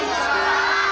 selamat pagi su